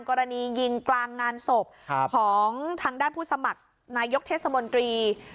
กรณียิงกลางงานศพของทางด้านผู้สมัครนายกเทศมนตรี